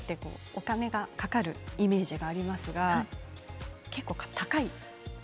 お金がかかるイメージがありますが、結構高い？